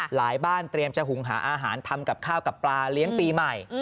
บ้านเตรียมจะหุงหาอาหารทำกับข้าวกับปลาเลี้ยงปีใหม่